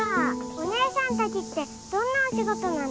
お姉さんたちってどんなお仕事なの？